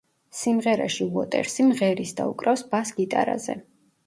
სიმღერაში უოტერსი მღერის და უკრავს ბას გიტარაზე.